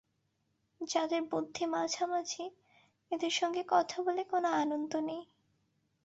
যাদের বুদ্ধি মাঝামাঝি, এদের সঙ্গে কথা বলে কোনো আনন্দ নেই।